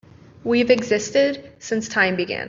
We've existed since time began.